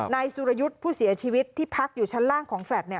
นายสุรยุทธ์ผู้เสียชีวิตที่พักอยู่ชั้นล่างของแฟลตเนี่ย